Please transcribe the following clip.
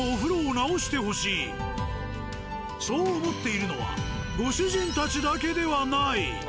そう思っているのはご主人たちだけではない。